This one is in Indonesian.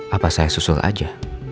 apa saya susul aja